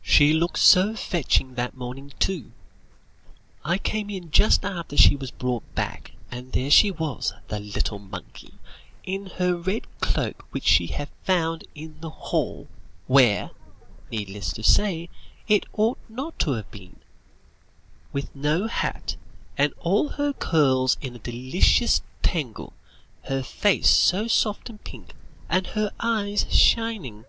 "She looked so fetching that morning, too. I came in just after she was brought back, and there she was, the little monkey, in her red cloak which she had found in the hall, where, needless to say, it ought not to have been; with no hat, and all her curls in a delicious tangle, her face so soft and pink, and her eyes shining.